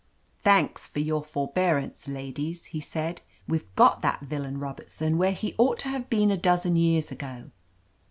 "Thanks for your forbearance, ladies," he said, "we've got that villain Robertson where he ought to have heen a dozen years ago.